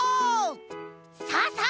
さあさあ